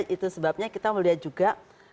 itu sebabnya kita melihat juga